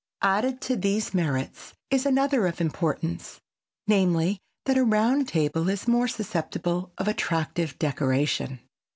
Added to these merits is another of importance, namely, that a round table is more susceptible of attractive decoration.